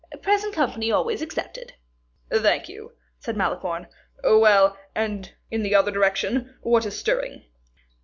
"Present company always excepted." "Thank you," said Malicorne. "Well, and in the other direction, what is stirring?"